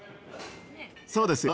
そうですよ。